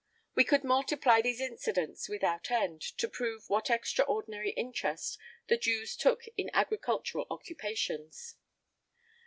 [I 8] We could multiply these incidents without end, to prove what extraordinary interest the Jews took in agricultural occupations.